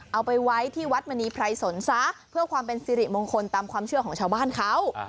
เอาไปไว้ที่วัดมณีไพรสนซะเพื่อความเป็นสิริมงคลตามความเชื่อของชาวบ้านเขา